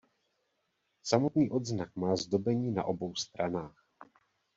Samotný odznak má zdobení na obou stranách.